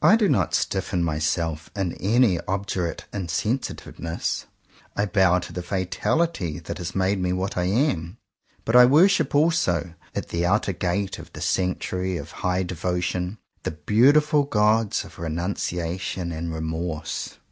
I do not stiffen myself in any obdurate in sensitiveness. I bow to the fatality that has made me what I am; but I worship also, at the outer gate of the sanctuary of high devotion, the beautiful gods of renunciation and remorse.